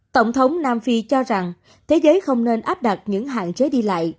tổng thống nam phi cho rằng thế giới không nên áp đặt những hạn chế đi lại